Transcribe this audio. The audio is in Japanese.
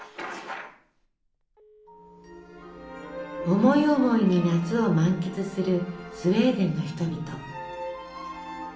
思い思いに夏を満喫するスウェーデンの人々。